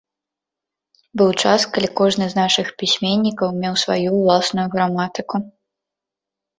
Быў час, калі кожны з нашых пісьменнікаў меў сваю ўласную граматыку.